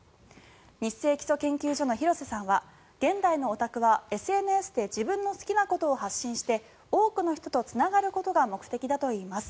ニッセイ基礎研究所の廣瀬さんは現代のオタクはＳＮＳで自分の好きなことを発信して多くの人とつながることが目的だといいます。